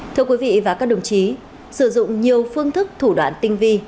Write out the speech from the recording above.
thưa quý vị và các đồng chí sử dụng nhiều phương thức thủ đoạn tinh vi